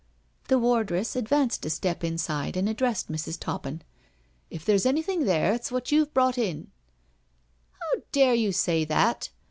The wardress advanced a step inside and addressed Mrs. Toppin. " If there's anything there it's what you've brought m. " How dare you say that?"